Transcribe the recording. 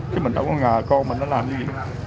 chứ mình đâu có ngờ con mình nó làm cái gì